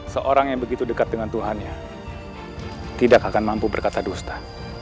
seorang yang begitu dekat dengan tuhannya tidak akan mampu berkata dusta